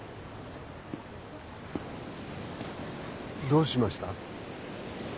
どうしました？